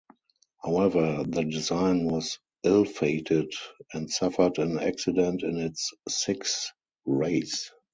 However the design was ill-fated, and suffered an accident in its sixth race.